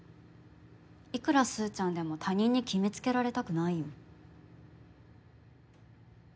いくらすーちゃんでも他人に決めつけられたくないよ。